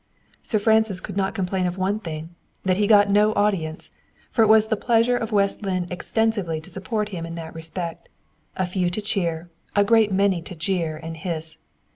Sir Francis could not complain of one thing that he got no audience; for it was the pleasure of West Lynne extensively to support him in that respect a few to cheer, a great many to jeer and hiss.